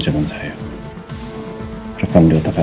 tekomsinmu juga tak ada apa apa